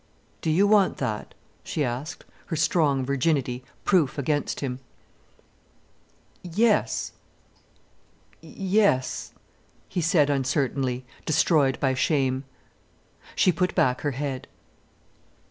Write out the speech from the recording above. "Do you want that?" she asked, her strong virginity proof against him. "Yes—yes——" he said uncertainly, destroyed by shame. She put back her head.